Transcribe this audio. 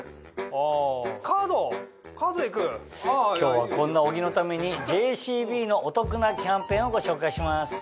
今日はこんな小木のためにＪＣＢのお得なキャンペーンをご紹介します。